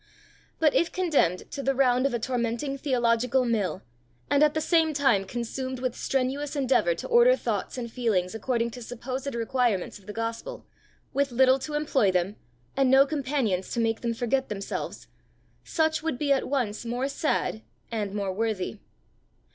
But if condemned to the round of a tormenting theological mill, and at the same time consumed with strenuous endeavour to order thoughts and feelings according to supposed requirements of the gospel, with little to employ them and no companions to make them forget themselves, such would be at once more sad and more worthy.